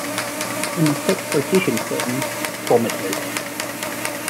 In the sexploitation film Promises!